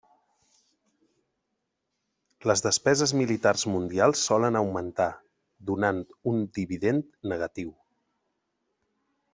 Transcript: Les despeses militars mundials solen augmentar, donant un dividend negatiu.